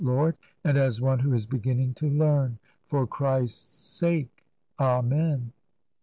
Lord, and as one who is beginning to learn. For Christ's sake. Amen."